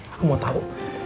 aku mau tau